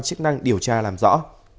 chức năng điều tra làm rõ